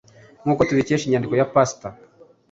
nkuko tubikesha inyandiko ya Pastor